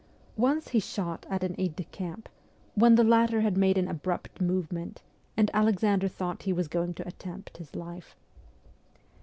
Once he shot at an aide de camp, when the latter had made an abrupt movement, and Alexander thought he was going to attempt his life.